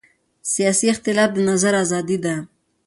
سیاسي اختلاف د نظر ازادي ده